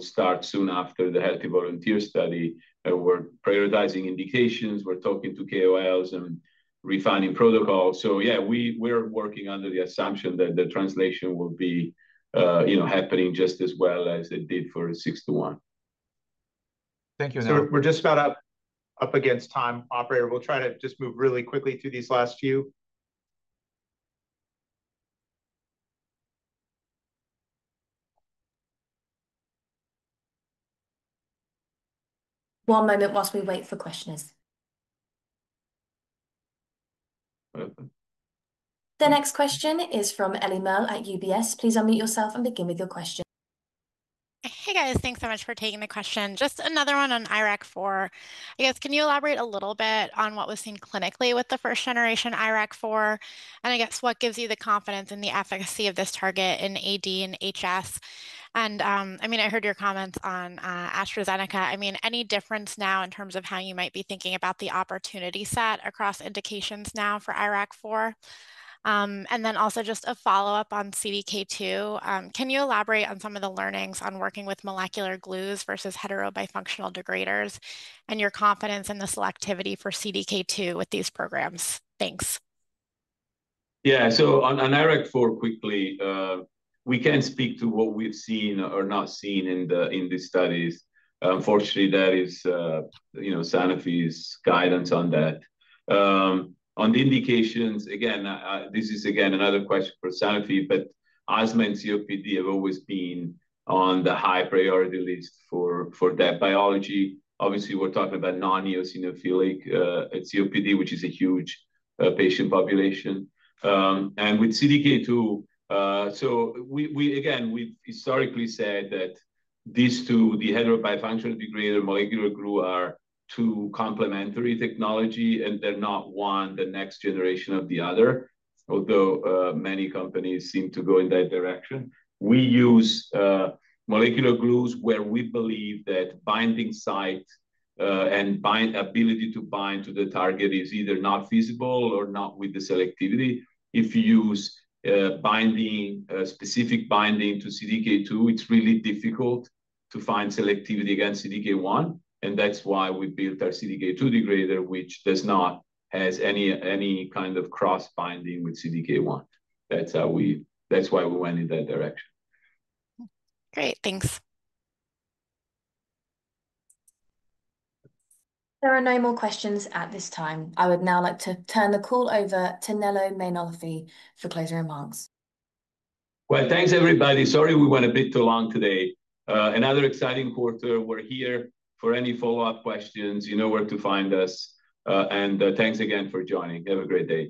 start soon after the Healthy Volunteer study. We're prioritizing indications, we're talking to KOLs and refining protocols. We're working under the assumption that the translation will be happening just as well as it did for 621. Thank you. We're just about up against time. Operator, let's try to just move really quickly through these last few. One moment while we wait for a question. The next question is from Ellie Merle at UBS. Please unmute yourself and begin with your question. Hey guys, thanks so much for taking the question. Just another one on IRAK4, I guess. Can you elaborate a little bit on what was seen clinically with the first generation IRAK4? I guess what gives you the confidence in the efficacy of this target in AD and HS? I heard your comments on AstraZeneca. Is there any difference now in terms of how you might be thinking about the opportunity set across indications now for IRAK4? Also, just a follow up on CDK2. Can you elaborate on some of the learnings on working with molecular glues versus heterobifunctional degraders and your confidence in the selectivity for CDK2 with these programs? Thanks. Yeah. On IRAK4, quickly, we can speak to what we've seen or not seen in these studies. Unfortunately, that is Sanofi's guidance on the indications. This is another question for Sanofi, but asthma and COPD have always been on the high priority list for that biology. Obviously, we're talking about non-eosinophilic COPD, which is a huge patient population, and with CDK2. We historically said that these two, the heterobifunction we created, a molecular glue, are two complementary technologies and they're not one the next generation of the other, although many companies seem to go in that direction. We use molecular glues where we believe that binding site and ability to bind to the target is either not feasible or not with the selectivity. If you use binding, specific binding to CDK2, it's really difficult to find selectivity against CDK1, and that's why we built our CDK2 degrader, which does not have any kind of cross binding with CDK1. That's why we went in that direction. Great, thanks. There are no more questions at this time. I would now like to turn the call over to Nello Mainolfi for closing remarks. Thanks everybody. Sorry we went a bit too long today. Another exciting quarter. We're here for any follow-up questions. You know where to find us, and thanks again for joining. Have a great day.